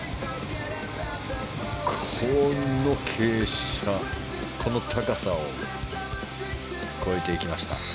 この傾斜、この高さを越えていきました。